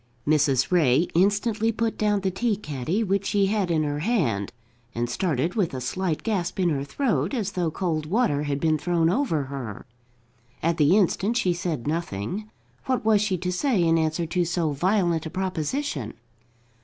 Mrs. Ray instantly put down the tea caddy which she had in her hand, and started, with a slight gasp in her throat, as though cold water had been thrown over her. At the instant she said nothing. What was she to say in answer to so violent a proposition?